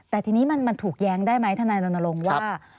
แต่ทีนี้มันถูกแย้งได้ไหมทนายรณรงค์ว่า